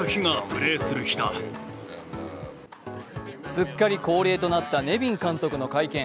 すっかり恒例となったネビン監督の会見。